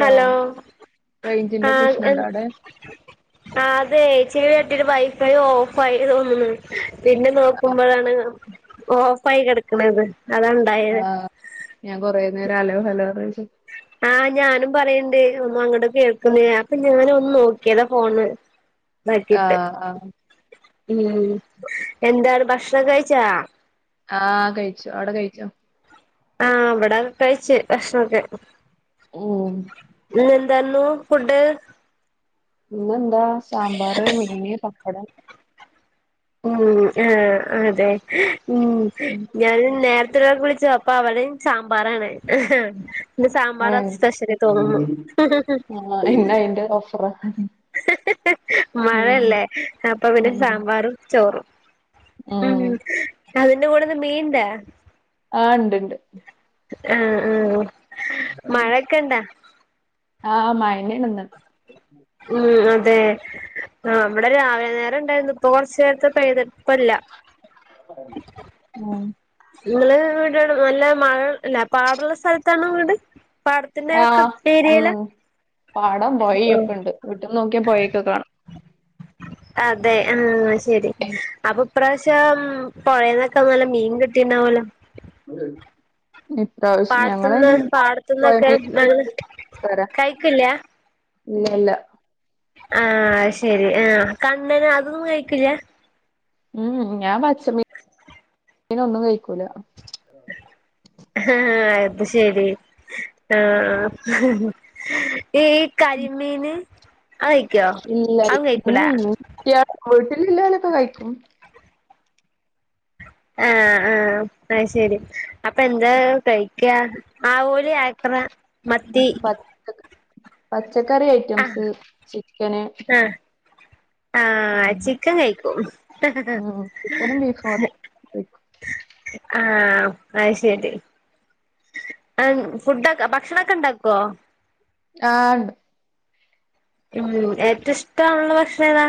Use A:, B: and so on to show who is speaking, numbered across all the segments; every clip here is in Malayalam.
A: ഹലോ
B: റേഞ്ചിന്റെ
A: ആഹ
B: പ്രശ്നണ്ടോ അവിടെ
A: ആ അതെ ചിയ കുറ്റരു വൈഫൈ ഓഫ് ആയി തോന്നുന്നു പിന്നെ നോക്കുമ്പോഴാണ് ഓ ഓഫയി കിടക്കണത്
B: ആഹ ഞാൻ കൊറേ നേരം ആലോ ഫലോന്ന് ചോതിച്ചു
A: ഒ അങ്ങോട്ട കേൾക്കുന്ന അപ്പൊ ഞാന ഒന്ന് നോക്കിയതാ ഫോണ് ബാക്കിട്ട്
B: ആഹ് ആഹ്
A: ഉം എന്താണ് ഭക്ഷണം കഴിച്ചാ
B: ചോ
A: ആഹ അവിട കഴിച്ച ഭക്ഷണം ഒക്കെ
B: ഉ
A: എതന്നു ഫുഡ്
B: ഇന്നെന്താ സാമ്പാർ മീന് പപ്പടം
A: ഉം ആഹ അതെ ഉ
B: ഉം
A: ഞാൻ നേര ഉത്രക്കെ വിളിച്ചു അപ്പൊ അവിടെ സാമ്പാറാണ്. പിന്റെ സാമ്പാർ
B: ഏഹ്
A: സ്പെഷ്യലി തോന്നുന്നു.
B: ആഹ് ഇന്ന് അയിന്റെ ഓഫറാ ഉം
A: മഴല്ലേ അപ്പൊ പിന്നെ
B: ഉം
A: സാമ്പാറും ചോറും. ഉം അതിന്റെ കൂടെന്ന് മീന്താ
B: ആഹ ഉണ്ട്ണ്ട്
A: ആ ഉം മഴൊക്കെ എന്താ
B: ആഹ മഴണന്ന
A: ഉം അ തെ ആ നമ്മടെ രാവിലെ നേരം ഉണ്ടായിരുന്നു ഇപ്പൊ കൊറച്ചു നേരത്തെ പഴ്തടുപ്പല്ല.
B: ഉം
A: നിങ്ങള് വീടെ നല്ല മഴ ഇല്ല പാടുള്ള സ്ഥലത്താണോ വീട് പാടത്തിന്റെ
B: ആഹ്
A: കൃത് രിയയില്
B: ഉം പാടം പോയി ഒക്കെ ഉണ്ട് വീട്ടന്ന് നോക്കിയ പോയക്കെ കാണാം.
A: അതെ ആ ശരി അഭപ്രാവ [unintelligible] പുഴേന്നൊക്കെ നല്ല മീൻ കിട്ടിണ്ടാവല്ലോ
B: [inaudible] ഇപ്രാവശ്യം
A: പാടത്തുന്ന്
B: ഞങ്ങളയിന്
A: പാടത്തുന്നൊക്കെ നല്ല
B: പൊഴമീൻ
A: കഴിക്കില്ല
B: ഇല്ലല്ല
A: ആഹ ശെരി ആഹ കണ്ണന അതൊന്നും കഴിക്കില്ല
B: ഉം ഞാൻ പച്ചമീന ഒന്നും കഴിക്കൂല
A: ആഹ ആ അത് ശരി ആഹ ഈ കരിമീന് ആ കഴിക്കോ
B: ഇല്ല
A: അതും കഴിക്കൂലാ
B: [unintelligible] ല്ലോലക്കെ കഴിക്കും
A: ആഹ ആഹ അ ശരി അപ്പൊ എന്താ കഴിക്ക ആവോ [unintelligible] ത്ര മത്തി
B: പച്ച പച്ചക്കറി
A: ആഹ്
B: ഐറ്റംസ്, ചിക്കന്
A: ആഹ്
B: അ
A: ആഹ് ചിക്കൻ കഴിക്കും
B: ഓ ചിക്കനും, ബീഫും കഴിക്കും [unintelligible]
A: ആഹ അയ് ശരി ഫുഡൊക്കെ ഭക്ഷണൊക്കെ ഇണ്ടാക്കുവോ
B: ആഹണ്ട്
A: ഉം ഏറ്റവും ഇഷ്ടമാണുള്ള ഭക്ഷണം ഏതാ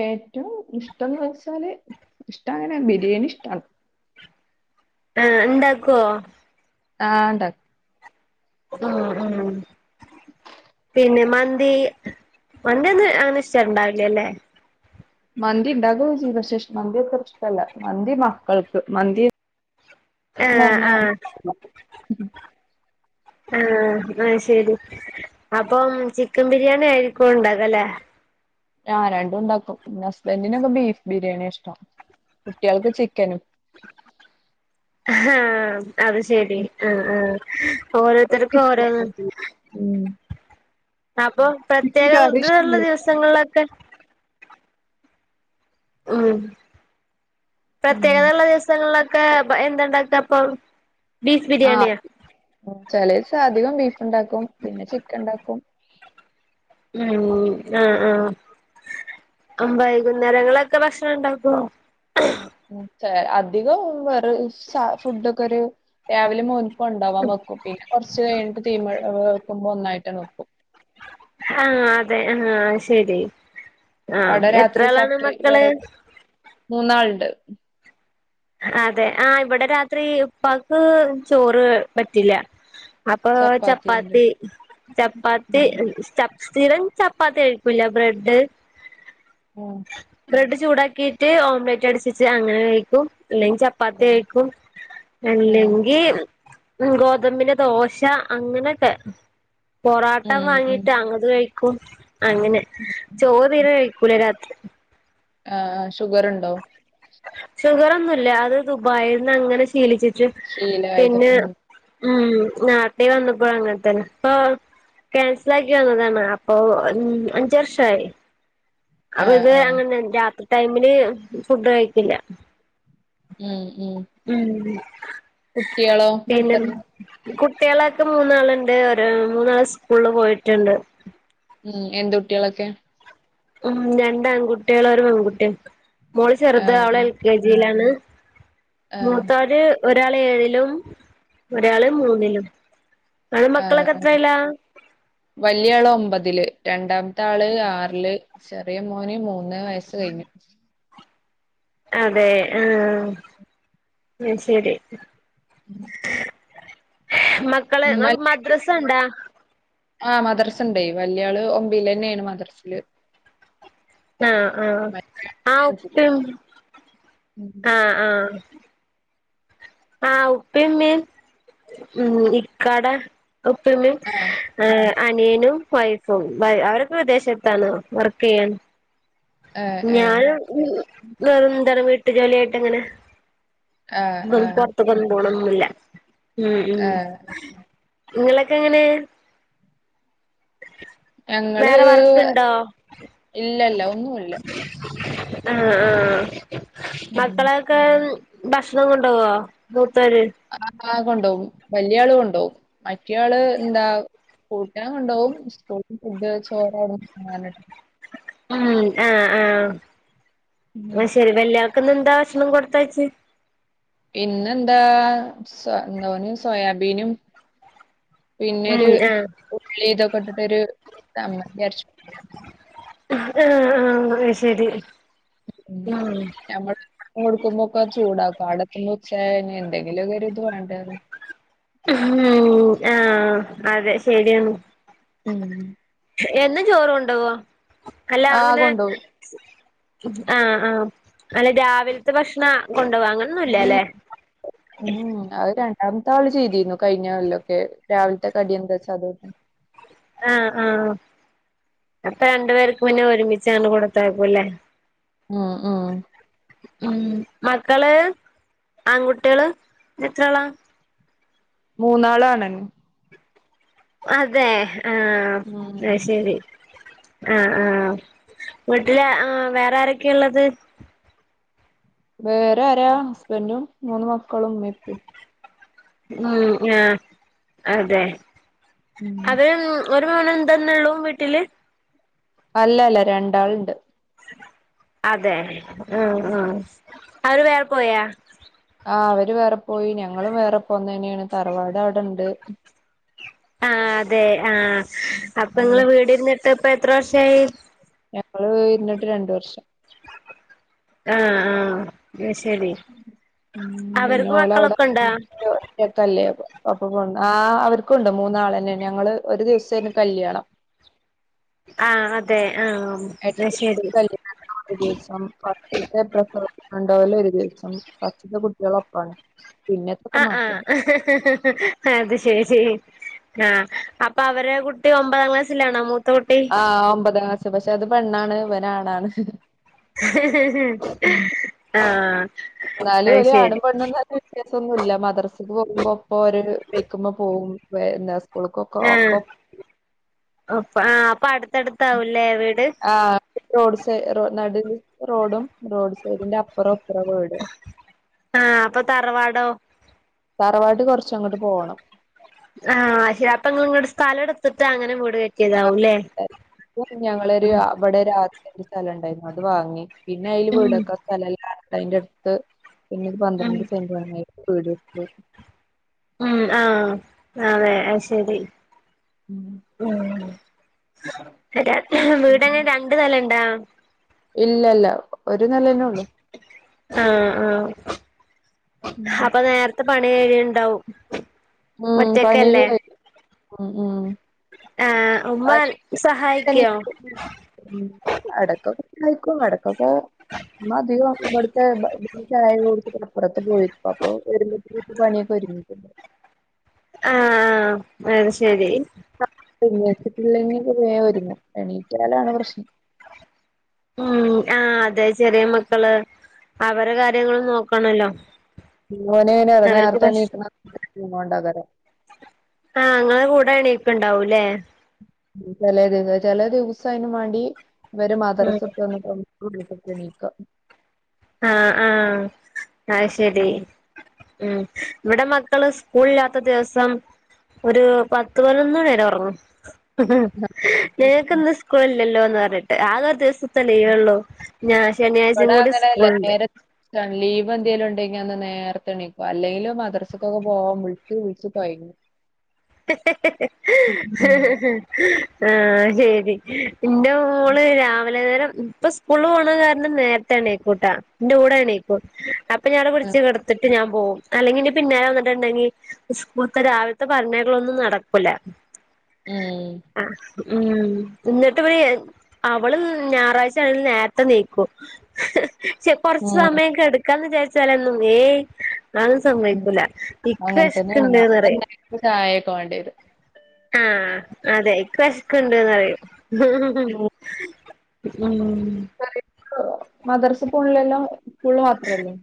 B: ഏറ്റവും ഇഷ്ടംന്ന് വച്ചാല് ഇഷ്ട അങ്ങനെ ബിരിയാണി ഇഷ്ടാണ്
A: ആഹ ഇണ്ടാക്കുവോ
B: ആഹ്ണ്ടാ
A: ഉ ഉ പിന്നെ മ മന്തി മന്തി ഒന്ന് അങ്ങനെ ഇഷ്ട്ടണ്ടാവില്ലല്ലേ
B: മന്തി ഉണ്ടാക്കൊക്കെ ചെയ്യും മന്തി അത്ര ഇഷ്ടല്ല മന്തി മക്കൾക്ക് മന്തി
A: ആഹ്
B: ന്നർഞ്ഞ
A: ആഹ്
B: [inaudible]
A: ആഹ ആ ശെരി അപ്പം ചിക്കൻ ബിരിയാണി ആയിരിക്കും ണ്ടാക്കല്ലേ
B: ഞൻ രണ്ടും ഉണ്ടാക്കും ന്റെ ഹസ്ബൻഡിനൊക്കെ ബീഫ് ബിരിയാണി ഇഷ്ടം കുട്ട്യേൾക്ക് ചിക്കനും [unintelligible]
A: ആഹ അത് ശരി ആ ആഹ ഓരോരുത്തർക്കും ഓരോ
B: ഉം
A: അപ്പൊ
B: ചിക്കൻ
A: പ്രത്യേക
B: കറി
A: ഇതള്ള
B: ഇഷ്ടല്ല.
A: ദിവസങ്ങളിലൊക്കെ ഉം
B: ഉം
A: പ്രത്യേകതയുള്ള ദിവസങ്ങളിലൊക്കെ ക്കെ എന്തണ്ടാക്ക അപ്പൊ ബീഫ് ബിരിയാണിയാ
B: ചിലയിസം അധികം ബീഫ് ഉണ്ടാക്കും പിന്നെ ചിക്കൻ ഉണ്ടാക്കും
A: ഉം ആഹ ആഹ അ വൈകുന്നേരങ്ങളൊക്കെ ഭക്ഷണം ഇണ്ടാക്കോ
B: ഉം ച അധികം വെറെ സ ഫുഡൊക്കൊരു രാവിലെ മോൻ കൊണ്ടാവാൻ വെക്കും പിന്നെ കൊറച്ച് കഴിഞ്ഞിട്ട് തീമെ വെക്കുമ്പോ ഒന്നായിട്ടങ്ങ് വെക്കും
A: ആഹ് അതെ ആഹ് ശരി ആഹ്
B: അവിടെ രാത്രി
A: എത്രയാളാണ്
B: സെപ്പറേറ്റ്
A: മക്കള്
B: വേറെ മൂന്നാളുണ്ട്
A: അതെ ആഹ് ഇവിടെ രാത്രി ഉപ്പാക്ക് ചോറ് പറ്റില്ല അപ്പൊ
B: ചപ്പാത്തിയാണ്ട്
A: ചപ്പാത്തി ചപ്പാത്തി
B: ഉം
A: ചപ് സ്ഥിരം ചപ് പ്പാത്തി കഴിക്കൂല ബ്രെഡ്
B: ഉം
A: ബ്രെഡ് ചൂടാക്കിയിട്ട് ഓംലെറ്റ് അടിച്ചിട്ട് അങ്ങനെ കഴിക്കും അല്ലെങ്കിൽ ചപ്പാത്തി
B: ഉം
A: കഴിക്കും
B: ആഹ്
A: അല്ലെങ്കി ഉം ഗോതമ്പിന്റെ ദോശ അങ്ങനെയൊക്കെ പൊറോട്ട
B: ഉം ഉം
A: വാങ്ങീട്ട് അത് കഴിക്കും അങ്ങനെ ചോറ് തീരെ കഴിക് ക്കൂല രാത്രി
B: ആഹ് ഷുഗറുണ്ടോ
A: ഷുഗറൊന്നുല്ല അത് ദുബായീന്നങ്ങനെ ശീലിച്ചിട്ട്
B: ശീലായത്
A: പിന്നെ
B: ഉം
A: ഉം നാട്ടീ വന്നപ്പോഴും അങ്ങനെതന്നെ ഇപ്പൊ ക്യാൻസലാക്കി വന്നതാണ് അപ്പൊ ഉം അഞ്ച് വർഷായി അപ്പൊ
B: ആഹ്
A: ഇത്
B: ആഹ്
A: അങ്ങനെ രാത്രി ടൈമിന് ഫുഡ് കഴിക്കില്ല
B: ഉം
A: ഉം
B: കുട്ടികളോ
A: പിന്നെ
B: എത്ര
A: കു ട്ടികളൊക്കെ മൂന്നാളുണ്ട് ഒരു മൂന്നാള് സ്കൂളിൽ പോയിട്ടുണ്ട്
B: ഉം എന്ത് കുട്ടികളൊക്കെ
A: ഉം രണ്ട് ആൺകുട്ടികളും ഒരു പെൺകുട്ടിയും മോള് ചെറുത് അവള്
B: ആഹ്
A: എൽ കെ ജിയിലാണ്
B: ആഹ്
A: മൂത്തവര് ഒരാൾ ഏഴിലും ഒരാള് മൂന്നിലും ഇങ്ങളെ മക്കളൊക്കെത്രെയിലാ
B: വലിയ ആള് ഒമ്പതില് രണ്ടാമത്താള് ആറില് ചെറിയ മോന് മൂന്ന് വയസ്സ് കഴിഞ്ഞു
A: അതെ ആഹ് അത് ശരി
B: [inaudible]
A: മക്കള്
B: ഉമ്മ
A: അപ്പൊ മദ്രസണ്ടാ
B: ആഹ് മദ്രസുണ്ടേയ് വല്യാള് ഒമ്പതിലെന്നെയാണ് മദ്രസില്
A: ആഹ് ആഹ്
B: മറ്റേ ആള്
A: ആ
B: പിന്നെ അഞ്ചില്.
A: ഉപ്പയും ആഹ് ആഹ് ആഹ് ഉപ്പയുമ്മയും ഉം ഇക്കാടെ ഉപ്പയുമ്മയും
B: ആഹ്
A: ഏഹ് അനിയനും വൈഫും വൈ അവരൊക്കെ വിദേശത്താണ് വർക്ക് ചെയ്യാണ്
B: ഏഹ് ഏഹ്
A: ഞാൻ വേറെന്താണ് വീട്ടു ജോലിയായിട്ടങ്ങനെ
B: ആഹ്
A: ഇവിടുന്ന്
B: ആഹ്
A: പുറത്തേക്കൊന്നും പോണന്നൊന്നുമില്ല ഉം
B: ആഹ്
A: ഇങ്ങളൊക്കെങ്ങനെ
B: ഞങ്ങള് ഇല്ലല്ല ഒന്നുമില്ല
A: ആഹ് ആഹ് മക്കളൊക്കെ ഭക്ഷണം കൊണ്ടോവോ [unintelligible]
B: ആ കൊണ്ടുപോകും വല്യാള് കൊണ്ടുപോകും മറ്റയാള് എന്താ കൂട്ടാൻ കൊണ്ടോകും സ്കൂളിന്ന് ഫുഡ് ചോറവിടുന്ന്
A: ഉം ആഹ് ആഹ്
B: ഉം
A: അത് ശരി വല്യാ ക്കിന്നെന്താ ഭഷണം കൊടുത്തയച്ച്
B: ഇന്നെന്താ സോയാബീനും
A: ഉം
B: പിന്നൊരു
A: ആഹ്
B: ഉള്ളി ഇതൊക്കിട്ടിട്ടൊരു ചമ്മന്തി അരച്ചു
A: ആഹ ആഹ ശരി ഉം
B: മോടുക്ക മോക്ക ചോടാ [unintelligible] പാടത്തിന്ന് ഉത്സാഹന് എന്തെങ്കിലുംരി ഇത് വേണ്ട അത്
A: ഉ ആഹ അതെ ശരിയാണ്
B: ഉം
A: എന്ന ചോറും കൊണ്ടുവോ അല്ല
B: ആഹ്
A: അങ്ങനെ
B: കൊണ്ടോവും
A: ആഹ് ആഹ് അല്ല രാവിലത്തെ ഭക്ഷണം കൊണ്ട
B: ഉം
A: വാങ്ങണംന്നല്ലല്ലേ
B: അത്തെ ആള് ചെയ്തിരുന്നു കഴിഞ്ഞല്ല ഒക്കെ രാവിലത്തെക്കെ അടി എന്താ വെച്ച അതോട്ടെ
A: ആഹ ആഹ അപ്പൊ രണ്ടു പേർക്ക് പിന്നെ ഒരുമിച്ചാണ് കൊടുത്താക്കുംല്ലേ
B: ഉം ഉം
A: ഉം മക്കള് ആൺകുട്ടികള് ഇ എത്രയാളാ
B: മൂന്നാളാണ്
A: അതെ
B: ഉം
A: അത്ശരി ആ ആഹ് വീട്ടില് ആ വേറെ ആരൊക്കെയാ ഉള്ളത്
B: വേറെ ആരാ ഹസ്ബൻറും മൂന്ന് മക്കളും ഉമ്മീം ഇപ്പും
A: ഉം ആ അതെ
B: ഉം
A: അത് എന്തന്ന ഉള്ളൂ വീട്ടില്
B: അല്ല അല്ല രണ്ടാളുണ്ട്
A: അതെ ഉം ഉം അവര് വേറെ പോയാ
B: ആ അവര് വേറെ പോയി ഞങ്ങളും വേറെ പോന്നന്നെയാണ് തറവാട് അവിടെണ്ട്
A: ആ അതെ ആഹ് അപ്പൊ നിങ്ങള്
B: ഞങ്ങളും
A: വീട്രുന്നിട്ട് ഇപ്പ എത്ര വർഷമായി
B: ഞങ്ങള് ഇരുന്നിട്ട് രണ്ട് വർഷം
A: ആഹ് ആഹ് അത് ശരി
B: ഉം പിന്നെ
A: അവർക്ക്
B: ഓല് അവിടെ
A: മക്കളൊക്കെ ഉണ്ടോ
B: ഒറ്റക്കല്ലേ അപ്പ കൊ ആ അവർക്കുണ്ട് മൂന്നാള് തന്നെ ഞങ്ങള് ഒരു ദിവസേന് കല്യാണം
A: ആഹ് അതെ ആഹ് അത് ശരി
B: [unintelligible] ഫസ്റ്റ്ത്തെ പ്രസവം കൊണ്ടോവലും ഒരു ദിവസം ഫസ്റ്റ്ത്തെ കുട്ട്യാള് ഒപ്പാണ്
A: ആ ആ അത്ശരി ആഹ് അപ്പൊ അവരെ കുട്ടി ഒമ്പതാം ക്ലാസ്സിലാണോ മൂ
B: ആഹ് ഒമ്പതാം ക്ലാസ് പക്ഷെ അത് പെണ്ണാണ് ഇവനണാണ്
A: ആഹ്
B: എന്നാലും
A: അത്
B: ഓല് ആണും
A: ശരി
B: പണ്ണുംല്ല വ്യത്യാസം ഒന്നുല്ല മദർ സ് പോകുമ്പോ ഇപ്പൊര് വെക്കുമ്പോ പോകും സ്കൂളക്കൊക്കെ
A: ആഹ്
B: ഒക്കെ
A: അപ്പ ആ അപ്പൊ അടുത്ത്
B: ആഹ് റോഡ് സൈഡ് നടു റോഡും റോഡ് സൈഡിന്റെ അപ്പറോ
A: ആഹ് അപ്പൊ തറവാടോ
B: തറവാട്ട് കൊറച്ചങ്ങോട്ട് പോണം
A: ആഹ് അപ്പ നിങ്ങള് സ്ഥലം എടുത്തിട്ട് അങ്ങനെ കെട്ടിയതാവൂല്ലേ
B: ഞങ്ങളൊരു
A: ഉം
B: അവിടെ ഒരു സ്ഥലംണ്ടായിരുന്നു അത് വാങ്ങി പിന്നെ അതില്
A: ഉം
B: വീടക്ക സ്ഥലമല്ല അതിൻ്റെ അടുത്ത് പിന്നെ ഒരു
A: ഉം
B: പന്ത്രണ്ട് സെന്റ് വാങ്ങിയിട്ട് വീട്ട്ടുത്തു
A: ഉം ആഹ് അതെ ശരി
B: ഉം.
A: വീട്ങ്ങനെ
B: ഉം.
A: രണ്ടു നെലണ്ടാ
B: ഇല്ല ഇല്ല ഒരു നില തന്നെ ഉള്ളു
A: ആഹ് ആഹ്
B: ഉം.
A: അപ്പൊ നേരത്തെ പണി എഴുണ്ടാവും
B: ഉം പണിയൊക്കെ കഴിഞ്ഞു
A: ആഹ് ഉമ്മ സഹായിക്കോ
B: ഉം അടക്കം കഴക്കോ കിടക്കോക്ക ഉമ്മ അധികം ഇവിടന്ന് ചായ കുടിച്ച്അപ്പറത്ത് പോയിരിക്കും അപ്പൊ വരുമ്പോത്തിന് പണി കഴിയും ഉ [inaudible]
A: ആഹ് ആ അത്ശരി
B: എണീറ്റില്ലെങ്കിൽ വേ ഒരുങ്ങും എണീറ്റാലാണ് പ്രശ്നം
A: ഉം ആഹ് അതെ ചെറിയ മക്കള് അവരെ കാര്യങ്ങളും നോക്കണല്ലോ
B: ഓനെ ന
A: അവർക്ക്
B: നേരത്തെ
A: ഭക്ഷ
B: എണീക്കുന്നന്ന് [unintelligible]
A: ആഹ് ഇങ്ങെടെ കൂടെ എണീക്ക ണ്ടാവൂല്ലേ
B: ചെലെ ദിവസം ചിലെ ദിവസം അയ്ന് മ്മാണ്ടി ഇവര്
A: ഉം
B: മദ്രസത്ത്ട്ട് വന്നിട്ട് [unintelligible] വിളിച്ചിട്ട് എണീക്ക
A: ആഹ് ആഹ് ആഹ് ശരി
B: ഉം.
A: ഉം ഇവിടെ മക്കള് സ്കൂളില്ലാത്ത ദിവസം ഒരു പത്ത്പതിനൊന്നണിരെ ഒറങ്ങും ഉഹ് നിയക്ന്ന് സ്കൂൾല്ലല്ലോന്ന് പർഞ്ഞിട്ട് ആക ഒരു ദിവസം ത്തെ ലീവൊള്ളൂ ഞാ ശനിയാഴ്ചകൂടി സ്
B: തല്ല നേര ത്താ ലീവ് ന്തേലും ഉണ്ടെങ്കി അന്ന് നേര്ത്തെണീക്കും അല്ലെങ്കിലു മദ്രസ്ക്കൊക്കെ പോവാ വിൾച്ച് വിൾച്ച് കൊയ്ങ്ങും
A: ഹ്ഹ്ഹ്... ഹാ ആ ശരി ന്റെ മോള് രാവിലെനേരം ഇപ്പ സ്കൂള് പോണ കാരണം നേര്ത്തെ നീക്കൂട്ടാ ന്റെ കൂടെനീക്കൂ അപ്പ ഞാടെ പുടിച്ച്കെടത്തിട്ട് ഞാൻ പോവും അല്ലെങ്കി ന്റെ പിന്നാലെ വന്നിട്ട്ണ്ടെങ്കിൽ സ്കൂൾത്തെ രാവിൽത്തെ പറഞ്ഞ ക്കള് ഒന്നു നടക്കുല
B: ഉം
A: എന്നിട്ട് വയെ അവള് ഞാറാഴ്ച്ചയോണ്ട് നേർത്തെ നീക്കു ച്ചെ
B: ഉം
A: കൊറച്ച്സമയം കെട്ക്കാന്ന്‌ജാരിച്ചാലന്നും ഏയ് അതും
B: ഉം.
A: സമ്മയ്ക്കൂല ഇക്ക് വെശ്ക്ക്ണ്ട്ന്ന്നറയും
B: പോണ്ടിത്
A: ആ അതെ ഇക്ക് വെശ്ക്ക്ണ്ട്ന്നറിം [inaudible]
B: മദർസ് പോണ്ലെല്ലോ സ്കൂള്മാത്രല്ലേ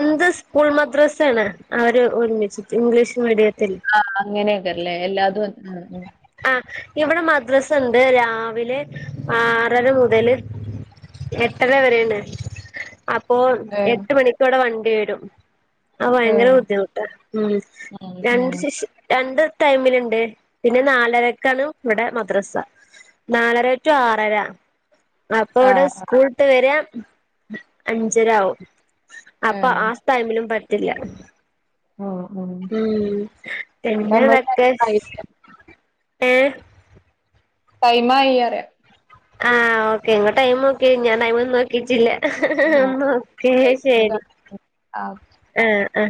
A: എന്ത് സ്കൂൾ മദ്രസ്സേണ് അവര് ഒരുമിച്ചിട്ട് ഇംഗ്ലീഷ് മീഡിയ
B: ആ അങ്ങനെയൊക്കെല്ലേ എല്ലാതും മ് മ്
A: ഇവ്ടെ മദ്രസണ്ട് രാവിലെ ആറര മുതല് എട്ടര വരേണ് അപ്പൊ
B: ഏഹ്
A: എട്ട്മണിക്ക് വ്ടെ വണ്ടിവരും ആ ഭയങ്കര
B: ഏഹ്
A: ബുദ്ധിമുട്ട ഉം
B: ഉം ഉം
A: രണ്ട് ശിഷ് രണ്ട് ടൈമില്ണ്ട് പിന്നെ നാ ലരക്കാണ് ഇവടെ മദ്രസ നാലര റ്റു ആറര അപ്പ ഇവ്ടെ
B: ആഹ്
A: സ്കൂളൾട്ടവെര അഞ്ചരാവും അപ്പൊ
B: ഏഹ്
A: ആ ടൈമിനുംപറ്റില്ല ഉം
B: ഇപ്പ നമ്മള് ടൈം
A: പിന്നെന്തെക്കെ ഏ
B: ടൈമായീ അറി
A: ആ ഓക്കെ ഇങ്ങ ടൈംമോക്കി ഞാൻ ടൈംഒന്നും നോക്കിയിട്ടില്ല
B: ആഹ്
A: ന്ന ഓക്കേ ശരി
B: ആഹ്
A: ആ ആ